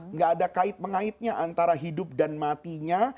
nggak ada kait mengaitnya antara hidup dan matinya